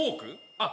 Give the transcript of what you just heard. あっ！